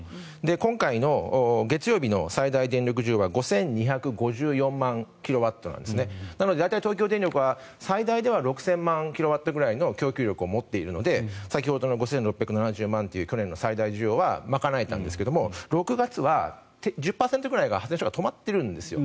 今回の月曜日の最大電力需要が５２５４万キロワットなので大体、東京電力は最大では６０００万キロワットくらいの供給力を持っているので去年の５６７０万という最大需要は賄えたんですが６月は少し止まってるんですよ。